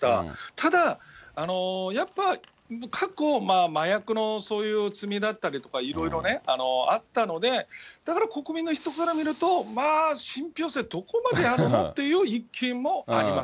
ただ、やっぱ過去、麻薬のそういう罪だったりとか、いろいろね、あったので、だから国民の人から見ると、まあ信ぴょう性どこまであるの？っていう意見もあります。